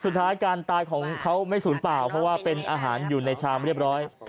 สุดท้ายการตายของเขาไม่สูญเปล่าเพราะว่าเป็นอาหารอยู่ในชามเรียบร้อย